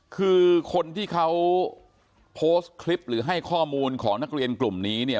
คือคนที่เขาโพสต์คลิปหรือให้ข้อมูลของนักเรียนกลุ่มนี้เนี่ย